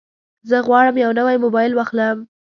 زه غواړم یو نوی موبایل واخلم.